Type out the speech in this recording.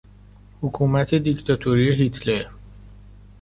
حکومت دیکتاتوری هیتلر